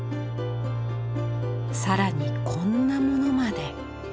更にこんなものまで。